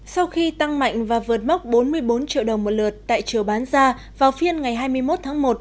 sau khi tăng mạnh và vượt mốc bốn mươi bốn triệu đồng một lượt tại chiều bán ra vào phiên ngày hai mươi một tháng một